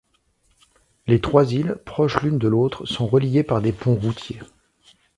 Les trois îles, proches l'une de l'autre, sont reliées par des ponts routiers.